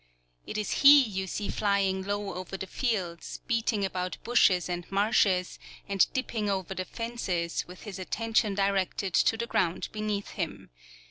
It is he you see flying low over the fields, beating about bushes and marshes and dipping over the fences, with his attention directed to the ground beneath him.